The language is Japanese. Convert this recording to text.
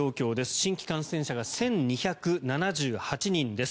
新規感染者が１２７８人です。